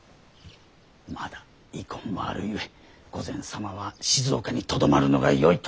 まだ遺恨もあるゆえ御前様は静岡にとどまるのがよいと。